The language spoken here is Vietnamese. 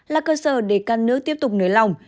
là cơ sở để các nước tiếp tục nới lỏng